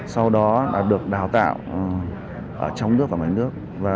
sau đó đã được đào tạo ở trong nước và ngoài nước